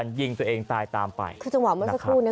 ยิงตัวเองตายตามไปคือจังหวะเมื่อสักครู่เนี้ย